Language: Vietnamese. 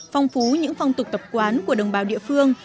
phong phú những phong tục tập quán của đồng bào địa phương